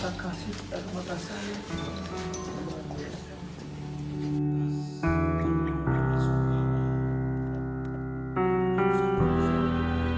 saya kan tak kasi tak maafkan saya